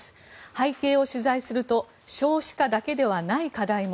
背景を取材すると少子化だけではない課題も。